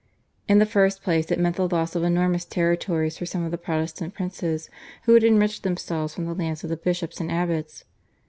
In the first place, it meant the loss of enormous territories for some of the Protestant princes who had enriched themselves from the lands of the bishops and abbots.